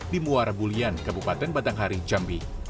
di muara bulian kabupaten batanghari jambi